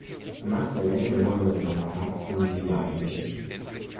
Nach der Wende wurde das Land Sachsen wieder eingerichtet.